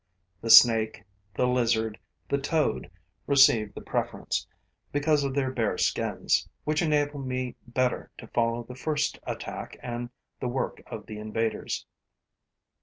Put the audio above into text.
The snake, the lizard, the toad receive the preference, because of their bare skins, which enable me better to follow the first attack and the work of the invaders.